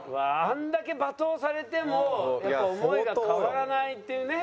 あんだけ罵倒されても想いが変わらないっていうね。